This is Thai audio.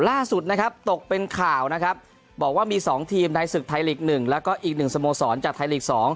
ล่าสุดนะครับตกเป็นข่าวนะครับบอกว่ามี๒ทีมในศึกไทยลีก๑แล้วก็อีกหนึ่งสโมสรจากไทยลีก๒